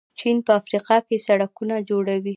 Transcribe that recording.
چین په افریقا کې سړکونه جوړوي.